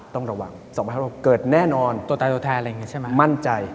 ต้องระวัง๒๐๐๖เกิดแน่นอนตัวแต่ตัวแทนมั่นใจ